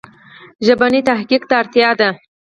ژبني تحقیق ته اړتیا ده.